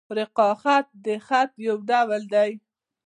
رِقاع خط؛ د خط یو ډول دﺉ.